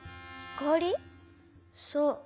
そう。